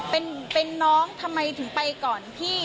เป็นน้องทำไมถึงไปก่อนพี่